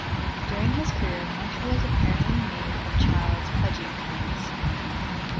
During his career, much was apparently made of Childs' pudgy appearance.